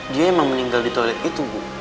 dia emang meninggal di toilet itu bu